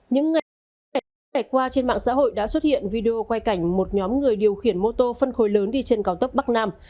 những ngày những ngày qua trên mạng xã hội đã xuất hiện video quay cảnh một nhóm người điều khiển mô tô phân khối lớn đi trên cao tốc bắc nam